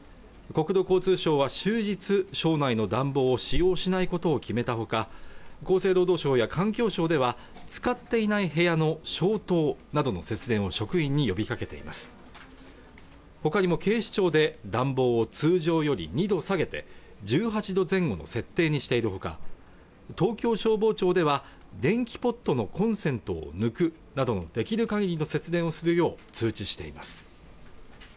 国土交通省は終日省内の暖房を使用しないことを決めたほか厚生労働省や環境省では使っていない部屋の消灯などの節電を職員に呼びかけていますほかにも警視庁で暖房を通常より２度下げて１８度前後の設定にしているほか東京消防庁では電気ポットのコンセントを抜くなどできるかぎりの節電をするよう通知しています